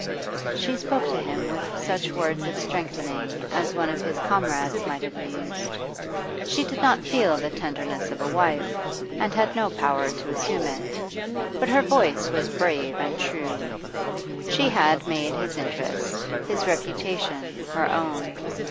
She spoke to him with such words of strengthening as one of his comrades might have used. She did not feel the tenderness of a wife, and had no power to assume it. But her voice was brave and true. She had made his interest, his reputation, her own.